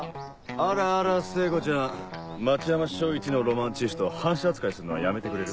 あらあら聖子ちゃん町山署いちのロマンチストを反社扱いすんのはやめてくれる？